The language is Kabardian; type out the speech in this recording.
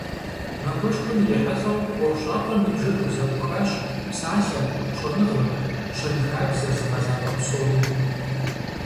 Махуэшхуэм ирихьэлӏэу ӏуэхущӏапӏэм и бжэр хузэӏуахащ псалъэр, щӏэныгъэр, щэнхабзэр зыгъэлъапӏэ псоми.